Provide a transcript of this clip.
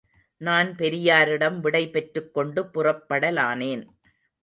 நான் பெரியாரிடம் விடை பெற்றுக் கொண்டு புறப்படலானேன்.